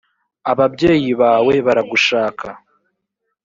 ababyeyi bawe baragushaka.